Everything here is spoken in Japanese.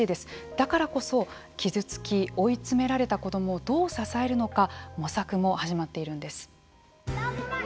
だからこそ傷つき追い詰められた子どもをどう支えるのか模索も始まっているんです。